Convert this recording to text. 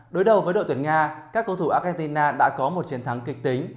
đối đầu với đội tuyển nga các cầu thủ argentina đã có một chiến thắng kịch tính